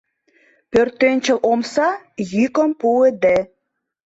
Пӧртӧнчыл омса йӱкым пуыде.